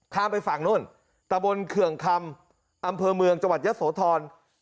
ข้ามไปฝั่งนู้นตะบนเขื่องคำอำเภอเมืองจยศธร